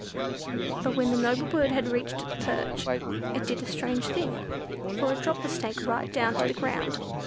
But, when the noble bird had reached its perch, it did a strange thing; for it dropped the Snake right down to the ground.